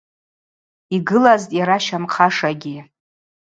Йгылазтӏ йара щамхъашагьи.